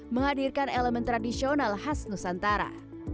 menghadirkan elemen tradisional khas nusantara